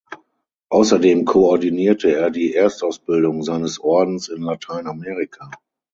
Außerdem koordinierte er die Erstausbildung seines Ordens in Lateinamerika.